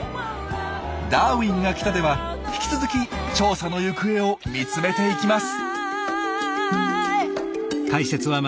「ダーウィンが来た！」では引き続き調査の行方を見つめていきます。